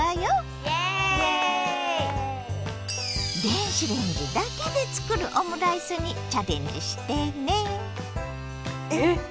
電子レンジだけで作るオムライスにチャレンジしてね。